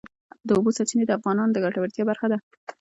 د اوبو سرچینې د افغانانو د ګټورتیا برخه ده.